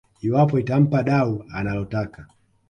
iwapo itampa dau analotaka